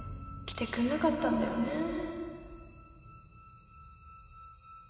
来てくんなかったんだよね